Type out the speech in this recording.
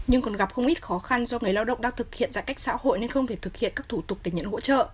nhưng còn gặp không ít khó khăn do người lao động đang thực hiện giãn cách xã hội nên không thể thực hiện các thủ tục để nhận hỗ trợ